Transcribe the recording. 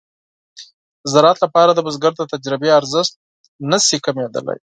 د زراعت لپاره د بزګر د تجربې ارزښت نشي کمېدلای.